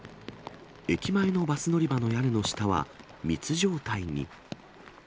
駅前のバス乗り場の屋根の下は、密状態に。